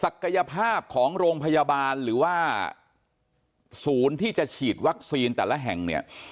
กายภาพของโรงพยาบาลหรือว่าศูนย์ที่จะฉีดวัคซีนแต่ละแห่งเนี่ย